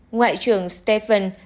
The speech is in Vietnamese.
ngoại trưởng stephen b